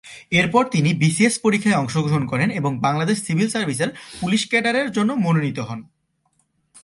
এরপর তিনি বিসিএস পরিক্ষায় অংশ গ্রহণ করেন এবং বাংলাদেশ সিভিল সার্ভিসের পুলিশ ক্যাডারের জন্য মনোনীত হন।